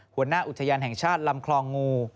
หัวหน้าอุทยานแห่งชาติลำคลองงู